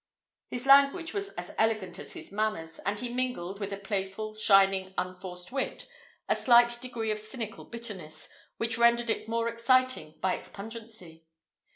His language was as elegant as his manners, and he mingled, with a playful, shining, unforced wit, a slight degree of cynical bitterness, which rendered it more exciting by its pungency.